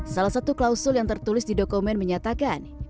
salah satu klausul yang tertulis di dokumen menyatakan